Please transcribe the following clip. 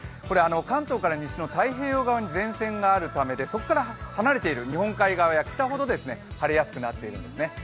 関東から西の太平洋側に前線があるためでそこから離れている日本海側や北ほど晴れやすくなっているんですね。